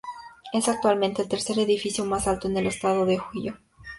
Es actualmente el tercer edificio más alto en el estado de Ohio.